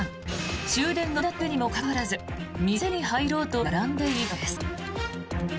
終電がなくなっているにもかかわらず店に入ろうと並んでいたのです。